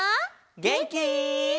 げんき？